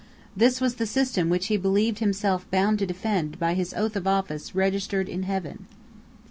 This was the system which he believed himself bound to defend by his oath of office "registered in heaven."